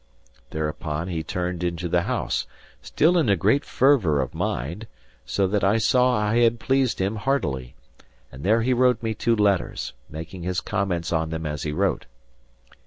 Thereupon he turned into the house (still in a great fervour of mind, so that I saw I had pleased him heartily) and there he wrote me two letters, making his comments on them as he wrote.